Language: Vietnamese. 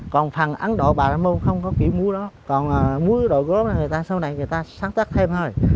còn phần ấn độ bà lâm môn không có kiểu múa đó còn múa đội gốc sau này người ta sáng tác thêm thôi